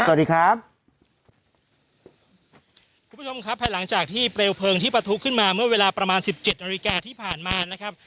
สวัสดีครับคุณผู้ชมครับภายหลังจากที่เปลวเพลิงที่ประทุขึ้นมาเมื่อเวลาประมาณสิบเจ็ดนาฬิกาที่ผ่านมานะครับ